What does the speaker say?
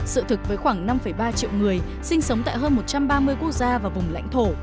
sự thực với khoảng năm ba triệu người sinh sống tại hơn một trăm ba mươi quốc gia và vùng lãnh thổ